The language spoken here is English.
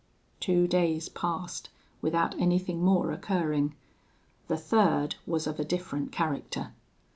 "Two days passed without anything more occurring: the third was of a different character.